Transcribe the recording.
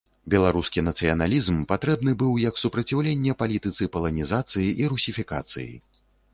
Беларускі нацыяналізм патрэбны быў як супраціўленне палітыцы паланізацыі і русіфікацыі.